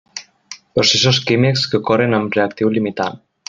Processos químics que ocorren amb reactiu limitant.